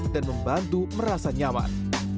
dan membantu merasa nyaman